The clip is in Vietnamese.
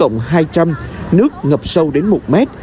nước ngập sâu đến một m